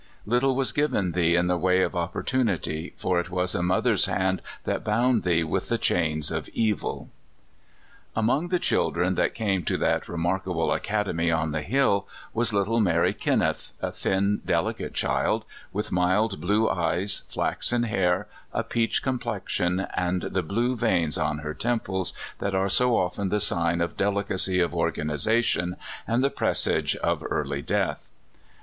Little was given thee in the way of opportunity, for it was a mother's hand that bound thee with the chains of evil. Among the children that came to that remark able academy on the hill was little Mary Kinneth, a thin, delicate child, with mild blue eyes, flaxen hair, a peach complexion, and the blue veins on her temples that are so often the sign of delicacy of organization and the presage of early death.